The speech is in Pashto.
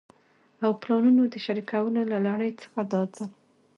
او پلانونو د شريکولو له لړۍ څخه دا ځل